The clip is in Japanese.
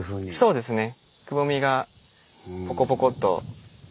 そうですね。